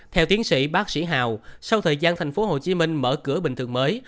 theo tiến sĩ bác sĩ hào sau thời gian tp hcm mở cửa bình thường mới